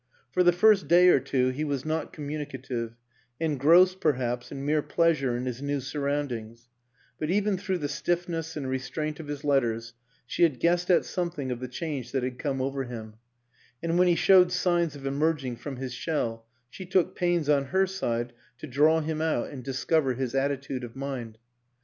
For the first day or two he was not communicative engrossed, perhaps, in mere pleasure in his new surroundings ; but even through the stiffness and restraint of his letters she had guessed at something of the change that had come over him, and when he showed signs of emerging from his shell she took pains, on her side, to draw him out and discover his attitude of mind.